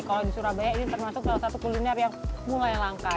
kalau di surabaya ini termasuk salah satu kuliner yang mulai langka